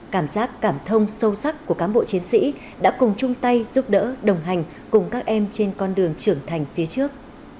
cảm giác cảm thông sâu sắc của cán bộ chiến sĩ đã cùng chung tay giúp đỡ đồng hành cùng các em trên con đường trưởng thành phía trước